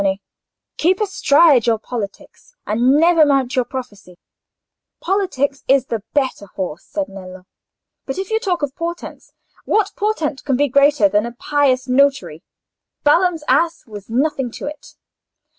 "Nay, nay, Ser Cioni, keep astride your politics, and never mount your prophecy; politics is the better horse," said Nello. "But if you talk of portents, what portent can be greater than a pious notary? Balaam's ass was nothing to it."